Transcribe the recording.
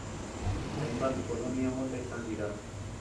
Hainbat kolonia mota izan dira.